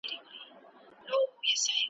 سر پر سر به ښې مزې واخلو له ژونده .